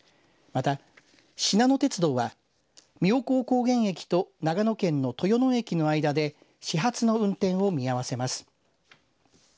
また、しなの鉄道は妙高高原駅と長野県の豊野駅の間で始発の運転を見合わせます。